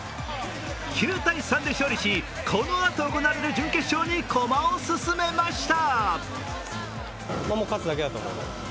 ９−３で勝利し、このあと行われる準決勝にこまを進めました。